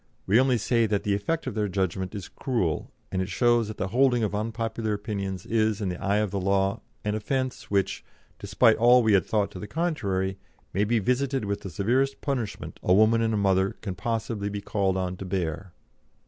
We only say that the effect of their judgment is cruel, and it shows that the holding of unpopular opinions is, in the eye of the law, an offence which, despite all we had thought to the contrary, may be visited with the severest punishment a woman and a mother can be possibly called on to bear."